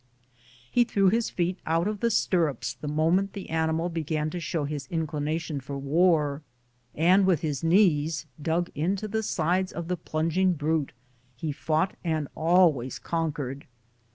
He threw his feet out of the stir rups the moment the animal began to show his inclina tion for war, and with his knees dug into the sides of the plunging brute, he fought and always conquered.